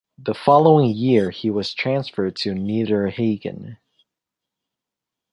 The following year he was transferred to Niederhagen.